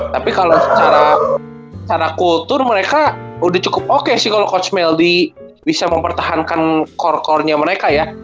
tapi kalo secara kultur mereka udah cukup oke sih kalo coach meldy bisa mempertahankan core corenya mereka ya